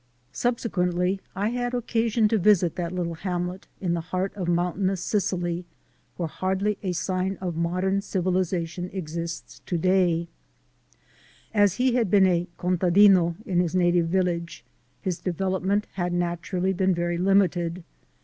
Sub sequently I had occasion to visit that little hamlet J247] 248 THE SOUL OF AN IMMIGRANT in the heart of mountainous Sicily, where hardly a sign of modern civilization exists to day. As he had been a "contadino" in his native village, his development had naturally been very limited.